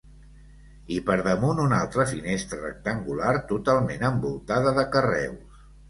I per damunt una altra finestra rectangular totalment envoltada de carreus.